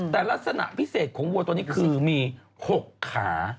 แต่ลักษณะพิเศษของวัวตัวนี้คือมี๖ขา